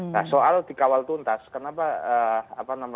nah soal dikawal tuntas kenapa apa namanya